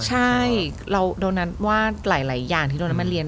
ใช่เราโดนัทว่าหลายอย่างที่โดนนั้นมาเรียน